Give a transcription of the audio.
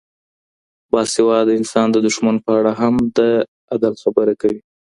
باسواده انسان د دښمن په اړه هم د عدل خبره کوي.